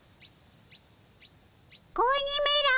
子鬼めら。